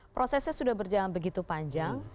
prosesnya sudah berjalan begitu panjang